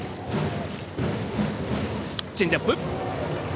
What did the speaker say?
チェンジアップ。